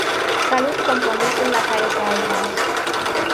Salut compromisul la care s-a ajuns.